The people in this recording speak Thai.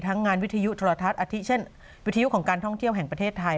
ทั้งงานวิทยวิทยุธรรทัสวิทยุของการท่องเที่ยวไทย